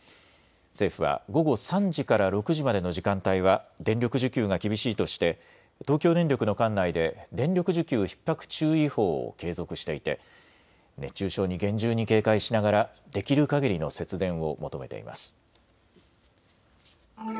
政府は午後３時から６時までの時間帯は電力需給が厳しいとして東京電力の管内で電力需給ひっ迫注意報を継続していて熱中症に厳重に警戒しながらできるかぎりの節電を求めています。